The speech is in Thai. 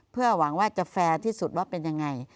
เพื่อหวังว่าจะแฟร์ที่สุดว่าเป็นยังไง